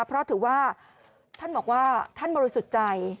เพราะถือว่าท่านบอกว่าท่านบริสุทธิ์ใจ